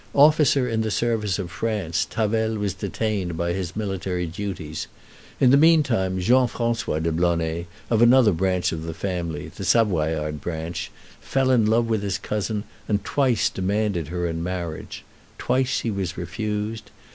Officer in the service of France, Tavel was detained by his military duties. In the mean time Jean François de Blonay, of another branch of the family, the Savoyard branch, fell in love with his cousin, and twice demanded her in marriage. Twice he was refused.